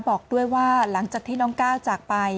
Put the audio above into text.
บอกด้วยว่าหลังจากที่น้องก้าวจากไป